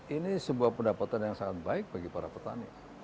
ini sebuah pendapatan yang sangat baik bagi para petani